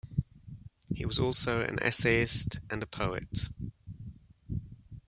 He was also an essayist and a poet.